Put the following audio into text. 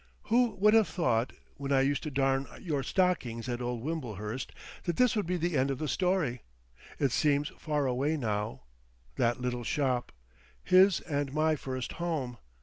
"Who would have thought, when I used to darn your stockings at old Wimblehurst, that this would be the end of the story? It seems far away now—that little shop, his and my first home.